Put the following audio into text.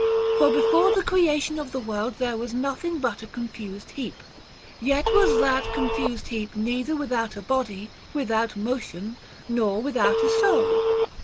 For before the crea tion of the world there was nothing but a confused heap ; yet was that confused heap neither without a body, with out motion, nor without a soul.